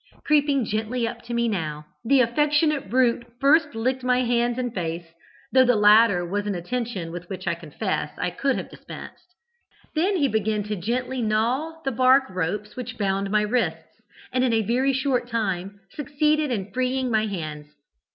Creeping gently up to me now, the affectionate brute first licked my hands and face, though the latter was an attention with which I confess I could have dispensed. Then he began gently to gnaw the bark ropes which bound my wrists, and in a very short time succeeded in freeing my hands.